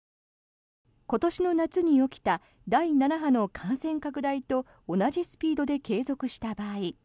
今年の夏に起きた第７波の感染拡大と同じスピードで継続した場合